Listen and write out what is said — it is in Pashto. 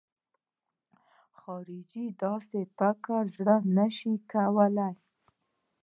خارجي د داسې فکر زړه نه شي کولای.